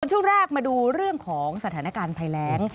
ช่วงแรกมาดูเรื่องของสถานการณ์ภัยแรง